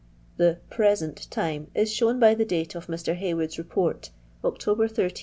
The "present" time is shown by the date of Mr. Haywood's Report, October 18, 1851.